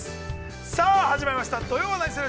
さあ始まりました「土曜はナニする！？」。